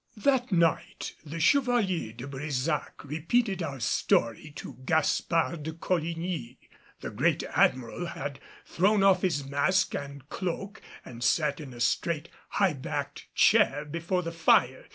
That night the Chevalier de Brésac repeated our story to Gaspard de Coligny. The great Admiral had thrown off his mask and cloak and sat in a straight high backed chair before the fire.